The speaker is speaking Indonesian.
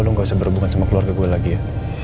lo gak usah berhubungan sama keluarga gue lagi ya